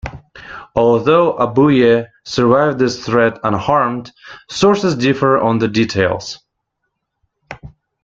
Although Abuye survived this threat unharmed, sources differ on the details.